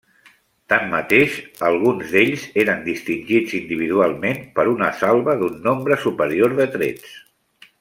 Tanmateix alguns d'ells eren distingits individualment per una salva d'un nombre superior de trets.